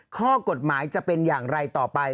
ข้อกฎหมายจะเป็นอย่างไรต่อไป